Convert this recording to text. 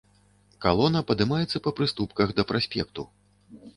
Калона падымаецца па прыступках да праспекту.